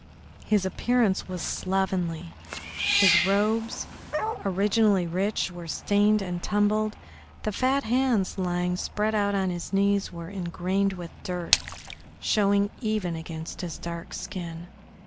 His appearance was slovenly, his robes, originally rich, were stained and tumbled, the fat hands lying spread out on his knees were engrained with dirt, showing even against his dark skin.